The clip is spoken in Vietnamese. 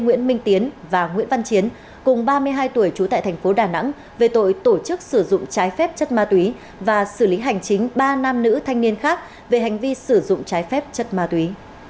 nguyễn minh tiến và nguyễn văn chiến cùng ba mươi hai tuổi trú tại thành phố đà nẵng về tội tổ chức sử dụng trái phép chất ma túy và xử lý hành chính ba nam nữ thanh niên khác về hành vi sử dụng trái phép chất ma túy